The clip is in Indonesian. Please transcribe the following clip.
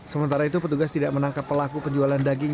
sementara itu petugas tidak menangkap pelaku penjualan daging